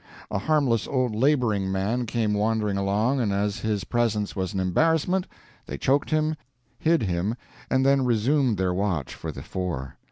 A harmless old laboring man came wandering along, and as his presence was an embarrassment, they choked him, hid him, and then resumed their watch for the four.